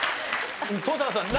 登坂さん何？